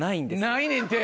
ないねんて！